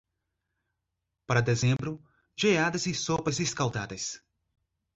Para dezembro, geadas e sopas escaldadas.